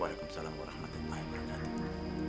waalaikumsalam warahmatullahi wabarakatuh